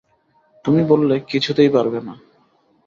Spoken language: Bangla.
তুমি বললে, কিছুতেই পারবে না।